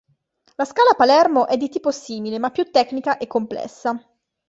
La scala Palermo è di tipo simile ma più tecnica e complessa.